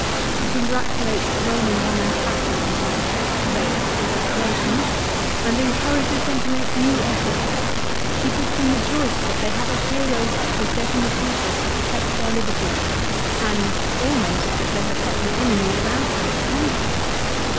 He congratulates the Romans on their patriotism, vain con gratulations, and encourages them to make new efforts. He bids them rejoice that they have a hero such as Decimus Brutus to protect their liberties, and, almost that they have such an enemy as Antony to conquer.